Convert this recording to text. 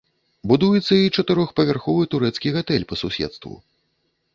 Будуецца і чатырохпавярховы турэцкі гатэль па суседству.